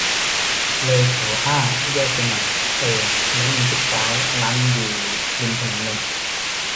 เลยแถวห้าแยกไปหน่อย เออ แล้วมึงชิดซ้าย ร้านมันอยู่ริมถนนเลย